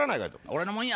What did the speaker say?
俺のもんや。